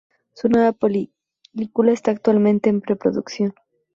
Su nueva película está actualmente en pre-producción.